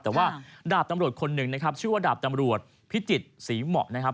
แต่ว่าดาบตำรวจคนหนึ่งนะครับชื่อว่าดาบตำรวจพิจิตรศรีเหมาะนะครับ